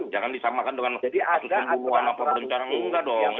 jangan disamakan dengan asus pembunuhan atau perbincangan